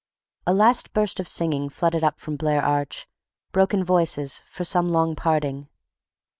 A last burst of singing flooded up from Blair Arch—broken voices for some long parting.